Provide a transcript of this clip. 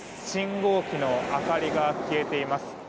信号機の明かりが消えています。